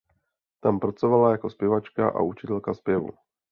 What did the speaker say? Tam pracovala jako zpěvačka a učitelka zpěvu.